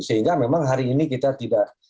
sehingga memang hari ini kita tidak